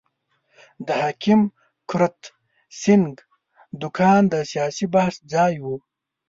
د حکیم کرت سېنګ دوکان د سیاسي بحث ځای وو.